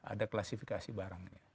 ada klasifikasi barangnya